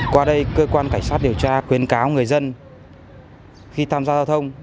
qua đây cơ quan cảnh sát điều tra khuyến cáo người dân khi tham gia giao thông